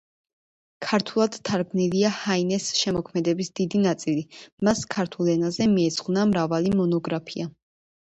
ქართულად თარგმნილია ჰაინეს შემოქმედების დიდი ნაწილი; მას ქართულ ენაზე მიეძღვნა მრავალი მონოგრაფია.